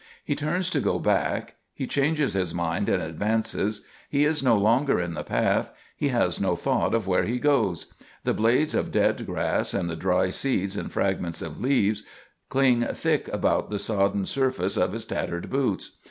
He turns to go back. He changes his mind and advances. He is no longer in the path. He has no thought of where he goes. The blades of dead grass, and the dry seeds and fragments of leaves, cling thick upon the sodden surface of his tattered boots.